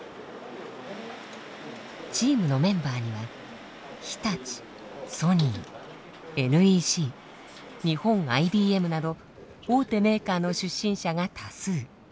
チームのメンバーには日立ソニーＮＥＣ日本ＩＢＭなど大手メーカーの出身者が多数。